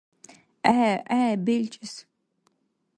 ГӀе, гӀе белчӀес